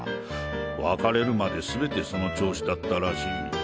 別れるまですべてその調子だったらしい。